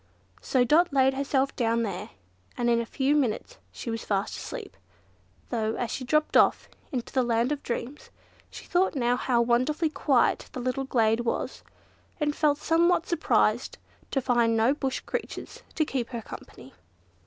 So Dot laid herself down there, and in a few minutes she was fast asleep; though, as she dropped off into the land of dreams, she thought how wonderfully quiet that little glade was, and felt somewhat surprised to find no Bush creatures to keep her company.